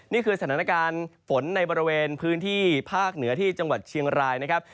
นี่คือสถานการณ์ฝนในบริเวณพื้นที่ภาคเหนือที่จังหวัดเชียงรายนะครับ